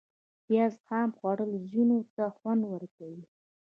پیاز خام خوړل ځینو ته خوند ورکوي